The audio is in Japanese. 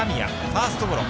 ファーストゴロ。